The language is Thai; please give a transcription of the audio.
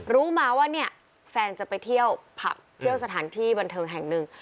รู้มาว่าเนี่ยแฟนจะไปเที่ยวผับเที่ยวสถานที่บันเทิงแห่งหนึ่ง